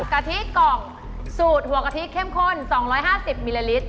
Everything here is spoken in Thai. กะทิกล่องสูตรหัวกะทิเข้มข้น๒๕๐มิลลิลิตร